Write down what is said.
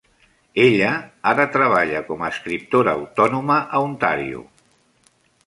Ella ara treballa com a escriptora autònoma a Ontario.